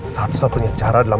satu satunya cara adalah